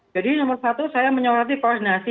jadi nomor satu saya menyokong koordinasi